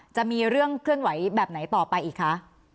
จะมีเรื่องเคลื่อนไหวแบบไหนต่อไปอีกคะ